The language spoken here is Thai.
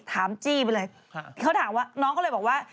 จี้ไปเลยเขาถามว่าน้องก็เลยบอกว่า